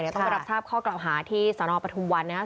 ต้องไปรับทราบข้อเกล่าหาที่สนปฐุมวัน